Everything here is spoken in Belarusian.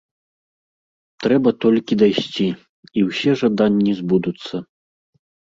Трэба толькі дайсці, і ўсе жаданні збудуцца.